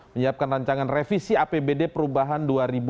menyiapkan rancangan revisi apbd perubahan dua ribu delapan belas